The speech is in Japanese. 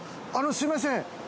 ◆すいません。